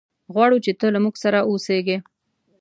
غواړو چې ته له موږ سره اوسېږي.